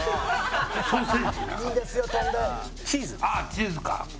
チーズか。